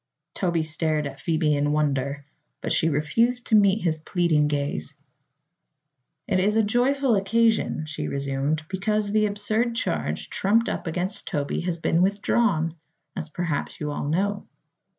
Toby stared at Phoebe in wonder, but she refused to meet his pleading gaze. "It is a joyful occasion," she resumed, "because the absurd charge trumped up against Toby has been withdrawn, as perhaps you all know."